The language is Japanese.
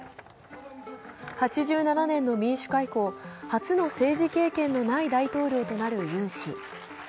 ８７年の民主化以降、初の政治経験のない大統領となるユン氏。